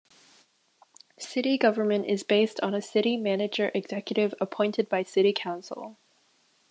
City government is based on a city manager executive appointed by city council.